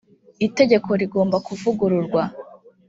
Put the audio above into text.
itegekorigomba kuvugururwa.